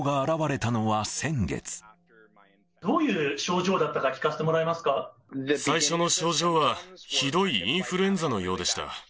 どういう症状だったか、最初の症状はひどいインフルエンザのようでした。